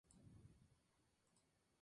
Es hincha del Club Universidad de Chile.